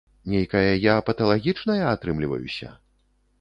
Нейкая я паталагічная атрымліваюся?